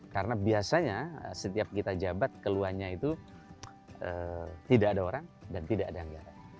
karena biasanya setiap kita jabat keluhannya itu tidak ada orang dan tidak ada anggaran